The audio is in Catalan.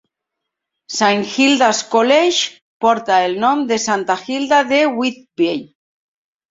Saint Hilda's College porta el nom de Santa Hilda de Whitby.